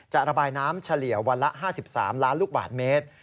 ระบายน้ำเฉลี่ยวันละ๕๓ล้านลูกบาทเมตร